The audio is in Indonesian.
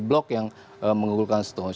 blok yang mengunggulkan stones